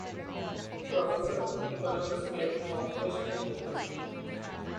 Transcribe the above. Professor of economics at Northwestern University.